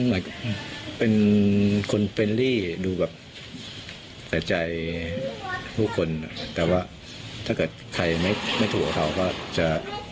เหมือนเป็นคนเฟรลี่ดูแบบแต่ใจผู้คนแต่ว่าถ้าเกิดใครไม่ถูกกับเขาก็จะ